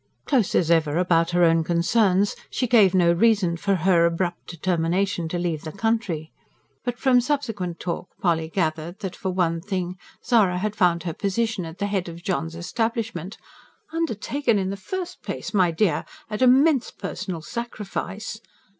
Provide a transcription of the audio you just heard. Close as ever about her own concerns, she gave no reason for her abrupt determination to leave the country; but from subsequent talk Polly gathered that, for one thing, Zara had found her position at the head of John's establishment "Undertaken in the first place, my dear, at immense personal sacrifice!"